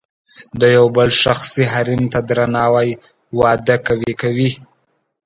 د یو بل شخصي حریم ته درناوی واده قوي کوي.